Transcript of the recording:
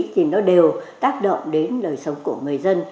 thì nó đều tác động đến đời sống của người dân